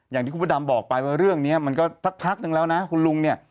อย่างที่คุณพระดำบอกไปว่าเรื่องนี้มันก็สักพักนึงแล้วนะคุณลุงเนี่ย